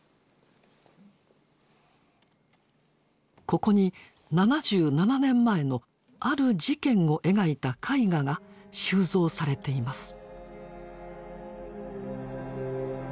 ここに７７年前のある事件を描いた絵画が収蔵されています。